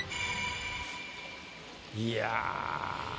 いや。